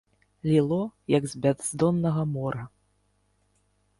Ліло, як з бяздоннага мора.